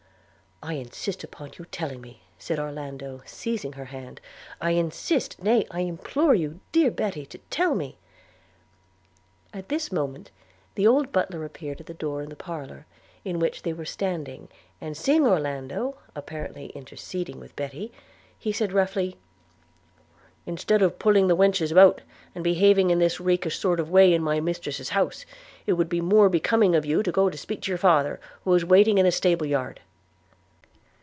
'I insist upon your telling me,' said Orlando, seizing your hand – 'I insist, nay I implore you, dear Betty, to tell me –' At this moment the old butler appeared at the door of the parlour in which they were standing; and seeing Orlando apparently interceding with Betty, he said roughly, 'Instead of pulling the wenches about, and behaving in this rakish sort of way in my mistress's house, it would be more becoming of you to go speak to your father, who is waiting in the stable yard.'